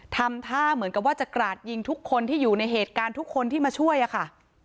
ทำท่าเหมือนกับว่าจะกราดยิงทุกคนที่อยู่ในเหตุการณ์ทุกคนที่มาช่วยอะค่ะ